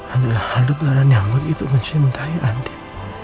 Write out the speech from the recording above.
adalah hal depan yang begitu mencintai andin